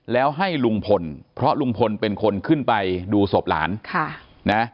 แล้วให้ลุงพลเพราะลุงพลเป็นคนขึ้นไปดูศพหลานค่ะนะ